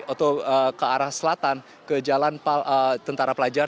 atau ke arah selatan ke jalan tentara pelajar